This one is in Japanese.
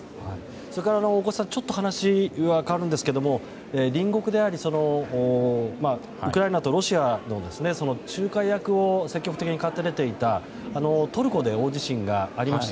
それから大越さん話がちょっと変わりますが隣国でありウクライナとロシアの仲介役を積極的に買って出ていたトルコで大地震がありました。